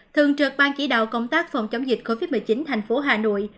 thường trực ban chỉ đạo công tác phòng chống dịch covid một mươi chín tp hà nội